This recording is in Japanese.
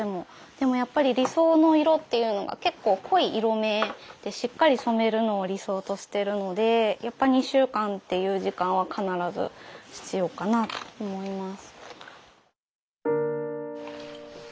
でもやっぱり理想の色っていうのが結構濃い色目でしっかり染めるのを理想としてるのでやっぱ２週間っていう時間は必ず必要かなと思います。